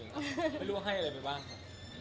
ไม่รู้ว่าให้อะไรไปบ้างครับ